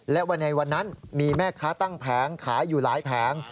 และวันในวันนั้นมีแม่ค้าตั้งแผงขายอยู่หลายแผง